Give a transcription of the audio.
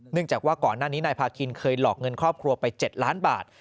จากว่าก่อนหน้านี้นายพาคินเคยหลอกเงินครอบครัวไป๗ล้านบาท